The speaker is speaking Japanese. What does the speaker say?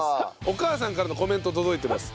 お母さんからのコメント届いてます。